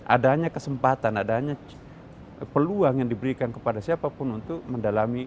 adanya kesempatan adanya peluang yang diberikan kepada siapapun untuk mendalami